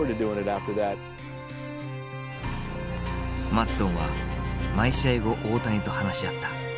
マッドンは毎試合後大谷と話し合った。